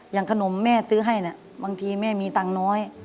อย่างขนมแม่ซื้อให้เนี่ยบางทีแม่มีตังค์น้อย